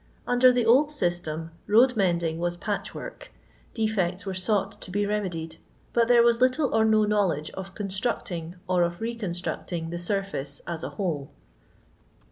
Under the old system, road mend ing was patch work; defects were sought to be remedied, but there was little or no knowledge of constructing or of reconstructing the surfsce as a whole.